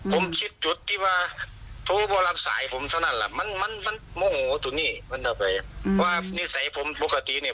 ผมคิดที่ว่าพสายผมเท่านั้นมันเมื่อในในปัจจุเนี่ย